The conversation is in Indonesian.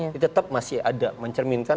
ini tetap masih ada mencerminkan